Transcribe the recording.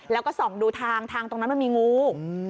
แล้วก็ส่องดูทางทางตรงนั้นมันมีงู